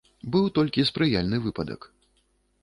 Быў толькі спрыяльны выпадак.